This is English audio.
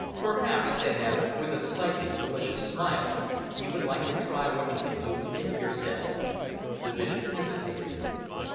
Perhaps," Fenn added, with a slightly malicious smile, "you would like to try what you can do with him yourself?" The Bishop hesitated.